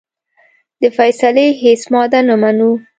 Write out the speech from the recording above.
د فیصلې هیڅ ماده نه منو.